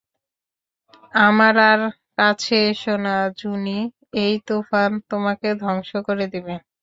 আমার আর কাছে এসো না জুনি, এই তুফান তোমাকে ধ্বংস করে দিবে।